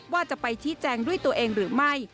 ว่าจะไปชี้แจงด้วยตัวเองหรือไม่